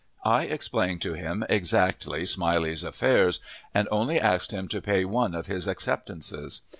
I explained to him exactly Smiley's affairs, and only asked him to pay one of his acceptances.